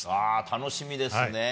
楽しみですね！